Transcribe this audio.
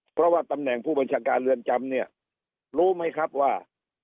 เพราะว่าตำแหน่งผู้บัญชาการเรือนจำเนี่ยรู้ไหมครับว่า